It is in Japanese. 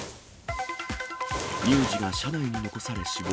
乳児が車内に残され死亡。